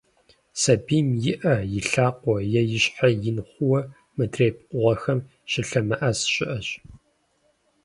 Сабийм и Ӏэ, и лъакъуэ е и щхьэ ин хъууэ, мыдрей пкъыгъуэхэм щылъэмыӀэс щыӀэщ.